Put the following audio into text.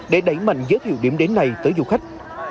để đẩy mạnh giới thiệu điểm đến này tới du khách